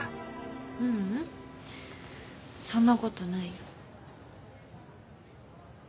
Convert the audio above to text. ううんそんなことないよ。